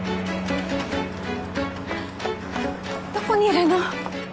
どこにいるの？